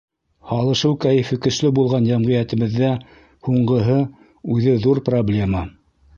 Һалышыу кәйефе көслө булған йәмғиәтебеҙҙә һуңғыһы — үҙе ҙур проблема.